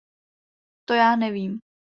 To já nevím.